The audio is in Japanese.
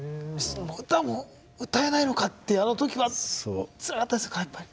歌も歌えないのかっていうあの時はつらかったですかやっぱり。